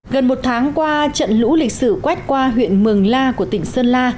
gần một tháng qua trận lũ lịch sử quét qua huyện mường la của tỉnh sơn la